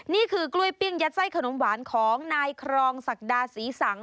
นี่คือกล้วยปิ้งยัดไส้ขนมหวานของนายครองศักดาศรีสัง